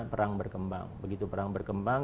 perang berkembang begitu perang berkembang